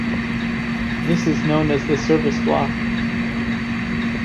This is known as the Service Block.